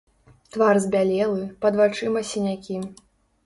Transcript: Твар збялелы, пад вачыма сінякі.